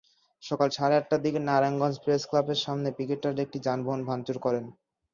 সকাল সাড়ে আটটার দিকে নারায়ণগঞ্জ প্রেসক্লাবের সামনে পিকেটাররা একটি যানবাহন ভাঙচুর করেন।